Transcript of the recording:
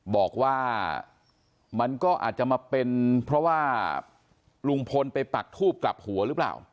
บอกว่ามันก็อาจจะมาเป็นเพราะว่าลุงพลไปปักทูบกลับหัวหรือเปล่า